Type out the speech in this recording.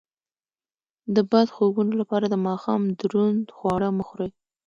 د بد خوبونو لپاره د ماښام دروند خواړه مه خورئ